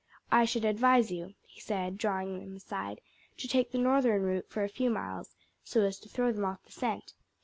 I should advise you," he said, drawing him aside, "to take the northern route for a few miles, so as to throw them off the scent.